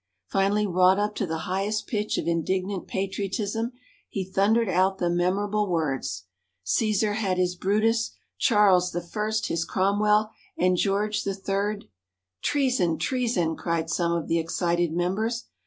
Finally wrought up to the highest pitch of indignant Patriotism, he thundered out the memorable words: "Cæsar had his Brutus, Charles the First his Cromwell, and George the Third " "Treason! Treason!" cried some of the excited members.